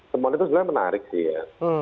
temuan itu sebenarnya menarik sih ya